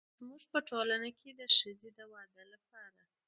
زموږ په ټولنه کې د ښځې د واده لپاره